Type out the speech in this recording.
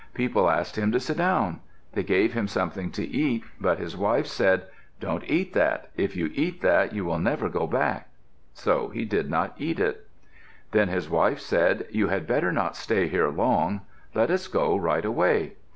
People asked him to sit down. They gave him something to eat, but his wife said, "Don't eat that. If you eat that you will never get back." So he did not eat it. Then his wife said, "You had better not stay here long. Let us go right away."